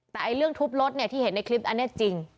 แต่เรื่องทุบรถเนี่ยที่เห็นในคลิปอันนี้จริง